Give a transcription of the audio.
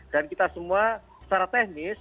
dan kita semua secara teknis